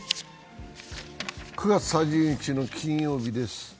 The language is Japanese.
９月３０日の金曜日です。